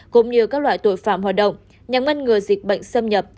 cũng như các loại tội phạm hoạt động nhằm ngăn ngừa dịch bệnh xâm nhập